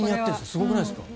すごくないですか？